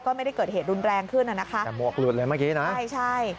ก็ไม่ได้เกิดเหตุรุนแรงขึ้นน่ะนะคะแต่หมวกหลุดเลยเมื่อกี้นะใช่ใช่